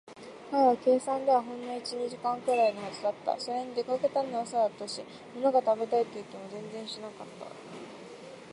彼の計算ではほんの一、二時間ぐらいのはずだった。それに、出かけたのは朝だったし、ものが食べたいという気も全然しなかった。